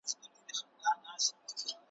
چي ملالیاني مي ور ستایلې `